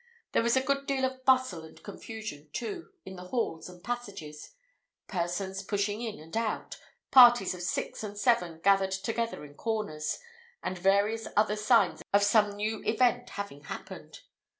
There was a good deal of bustle and confusion, too, in the halls and passages persons pushing in and out, parties of six and seven gathered together in corners, and various other signs of some new event having happened.